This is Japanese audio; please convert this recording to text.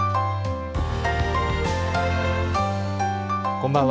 こんばんは。